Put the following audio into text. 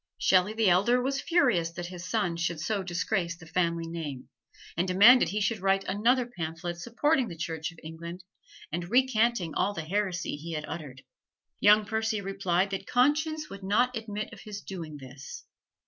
Shelley the elder was furious that his son should so disgrace the family name, and demanded he should write another pamphlet supporting the Church of England and recanting all the heresy he had uttered. Young Percy replied that conscience would not admit of his doing this.